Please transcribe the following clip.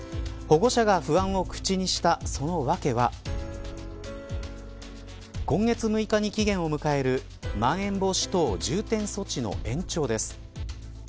保護者が不安を口にしたその訳は今月６日に期限を迎えるまん延防止等重点措置の延長です。